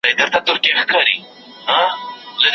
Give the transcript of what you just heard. دا علم د ځینو نورو علومو په څېر څو مرکزي دی.